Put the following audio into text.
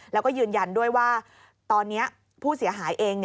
แล้วก็ยืนยันด้วยว่าตอนนี้ผู้เสียหายเอง